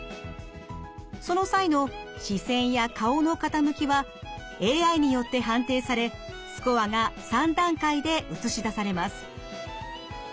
その際の視線や顔の傾きはＡＩによって判定されスコアが３段階で映し出されます。